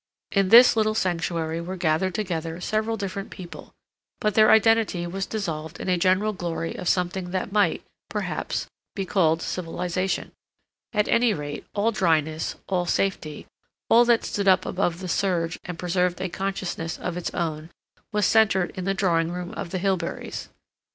In this little sanctuary were gathered together several different people, but their identity was dissolved in a general glory of something that might, perhaps, be called civilization; at any rate, all dryness, all safety, all that stood up above the surge and preserved a consciousness of its own, was centered in the drawing room of the Hilberys.